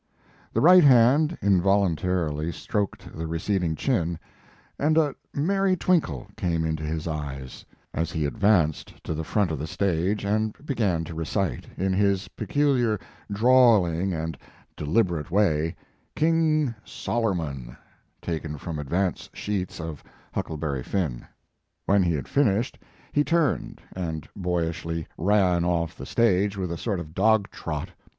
The right hand involun tarily stroked the receding chin, and a 14.8 Mark Twain merry twinkle came into his eyes, as he advanced to the front of the stage and began to recite, in his peculiar, drawling and deliberate way, "King Sollermun," taken from advance sheets of (< Huckle berry Finn." When he had finished, he turned and boyishly ran off the stage, with a sort of dog trot.